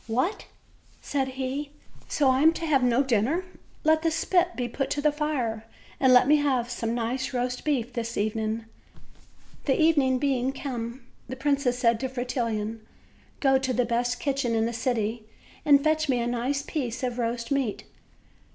"What!" said he, "so I am to have no dinner! Let the spit be put to the fire, and let me have some nice roast meat this evening." The evening being come, the princess said to Fretil lon: "Go to the best kitchen in the city and fetch me a nice piece of roast meat."